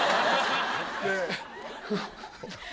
ねえ。